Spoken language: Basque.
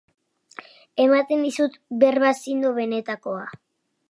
Ematen dizut berba zindo benetakoa.